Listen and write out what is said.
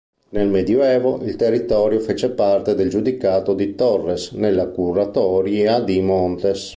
Nel medioevo il territorio fece parte del giudicato di Torres, nella curatoria di Montes.